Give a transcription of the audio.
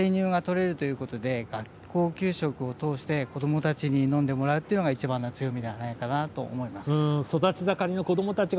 地元でこういった生乳が取れるということで学校給食を通して子どもたちに飲んでもらうっていうのがいちばんの強みではないかなと思います。